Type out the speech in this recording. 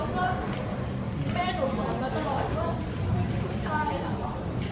แม่หนูฝากมาตลอดว่าไม่มีผู้ชายล่ะล่ะ